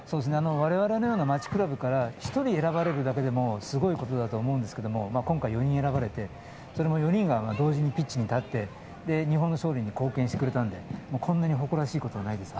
我々のような町クラブから１人選ばれるだけでもすごいことだと思うんですけど、今回４人、選ばれて、それも４人が同時にピッチに立って日本の勝利に貢献してくれたんでこんなに誇らしいことはないです。